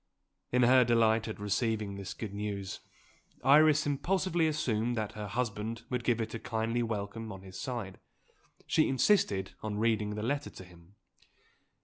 In her delight at receiving this good news Iris impulsively assumed that her husband would give it a kindly welcome on his side; she insisted on reading the letter to him.